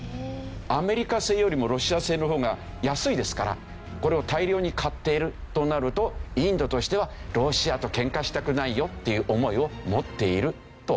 アメリカ製よりもロシア製の方が安いですからこれを大量に買っているとなるとインドとしてはロシアとケンカしたくないよっていう思いを持っていると。